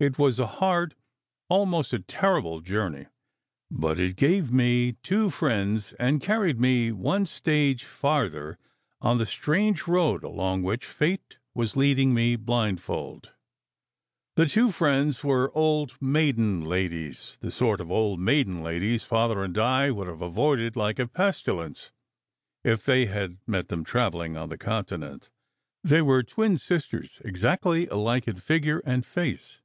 It was a hard, almost a terrible journey; but it gave me two friends, and carried me one stage farther on the strange road along which Fate was leading me blindfold. The two friends were old maiden ladies, the sort of old maiden ladies Father and Di would have avoided like a pestilence if they had met them travelling on the Continent. They were twin sisters, exactly alike in figure and face.